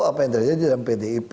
apa yang terjadi dalam pdip